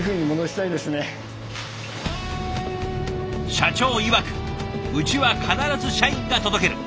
社長いわくうちは必ず社員が届ける。